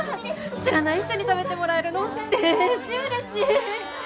知らない人に食べてもらえるのでーじうれしい。